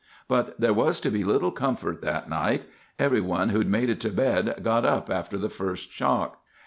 But there was to be little comfort that night. Everyone who'd made it to bed got up after the first shock.